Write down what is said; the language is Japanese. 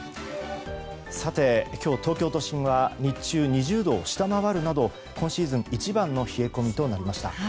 さて今日、東京都心は日中２０度を下回るなど今シーズン一番の冷え込みとなりました。